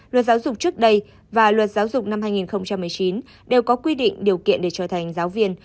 luật giáo dục trước đây và luật giáo dục năm hai nghìn một mươi chín đều có quy định điều kiện để trở thành giáo viên